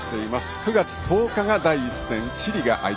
９月１０日、第１戦チリが相手。